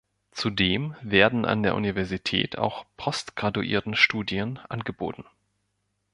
Zudem werden an der Universität auch Postgraduiertenstudien angeboten.